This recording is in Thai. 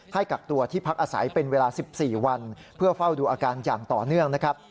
กักตัวที่พักอาศัยเป็นเวลา๑๔วันเพื่อเฝ้าดูอาการอย่างต่อเนื่องนะครับ